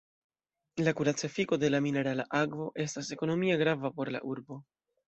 La kuraca efiko de la minerala akvo estas ekonomie grava por la urbo.